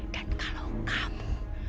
dan kalau kamu